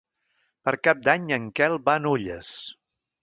Per Cap d'Any en Quel va a Nulles.